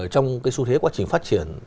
trong cái xu thế quá trình phát triển